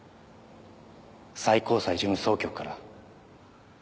最高裁事務総局から